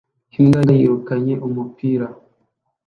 Imbwa yirukanye umupira